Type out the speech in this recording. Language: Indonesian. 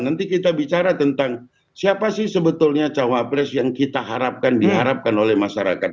nanti kita bicara tentang siapa sih sebetulnya cawapres yang kita harapkan diharapkan oleh masyarakat